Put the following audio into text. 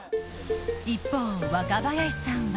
一方若林さんは